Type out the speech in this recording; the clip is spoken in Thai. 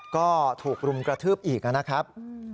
ก็ถูกรุมกระทืบอีกนะครับ